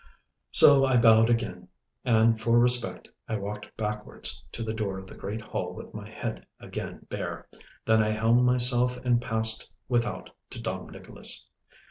So I bowed again, and for respect I walked backwards to the door of the great hall with my head again bare. Then I helmed myself and passed without to Dom Nicholas.